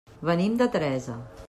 Venim de Teresa.